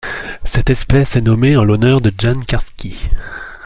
Cette espèce est nommée en l'honneur de Jan Karski.